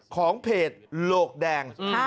ของเพจโหลกแดง